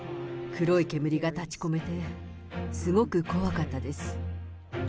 黒い煙が立ちこめて、すごく怖かったです。